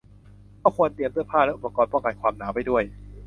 ก็ควรเตรียมเสื้อผ้าและอุปกรณ์ป้องกันความหนาวไปด้วย